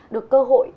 được cơ hội